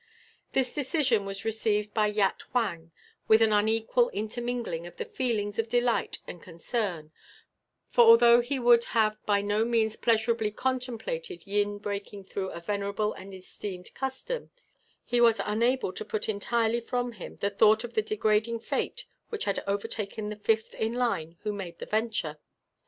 This decision was received by Yat Huang with an equal intermingling of the feelings of delight and concern, for although he would have by no means pleasurably contemplated Yin breaking through a venerable and esteemed custom, he was unable to put entirely from him the thought of the degrading fate which had overtaken the fifth in line who made the venture.